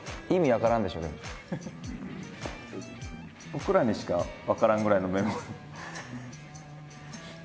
僕らにしか分からんぐらいのメモ。